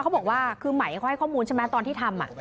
เขาบอกว่าขึ้นหมายเลยให้ข้อมูลตอนที่ทำ